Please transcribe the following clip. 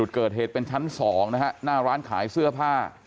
เกิดเหตุเป็นชั้น๒นะฮะหน้าร้านขายเสื้อผ้า